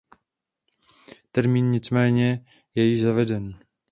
Termín nicméně je již zaveden.